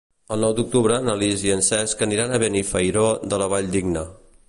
El nou d'octubre na Lis i en Cesc aniran a Benifairó de la Valldigna.